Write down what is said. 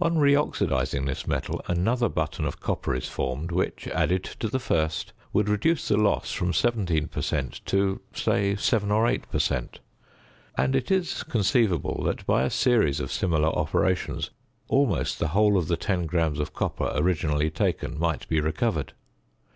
On reoxidising this metal, another button of copper is formed which, added to the first, would reduce the loss from 17 per cent. to, say, 7 or 8 per cent. And it is conceivable that by a series of similar operations, almost the whole of the 10 grams of copper originally taken might be recovered.